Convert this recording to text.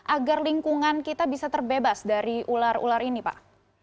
agar lingkungan kita bisa terbebas dari ular ular ini pak